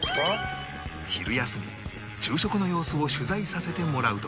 昼休み昼食の様子を取材させてもらうと